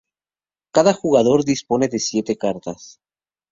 Cada jugador dispone de siete cartas.